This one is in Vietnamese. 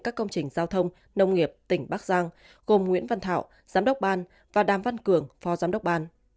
các công trình giao thông nông nghiệp tỉnh bắc giang gồm nguyễn văn thảo giám đốc ban và đàm văn cường phó giám đốc ban